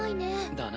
だな。